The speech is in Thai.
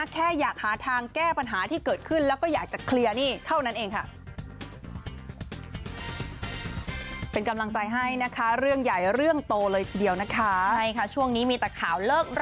แค่อยากหาทางแก้ปัญหาที่เกิดขึ้นแล้วก็อยากจะเคลียร์หนี้เท่านั้นเองค่ะ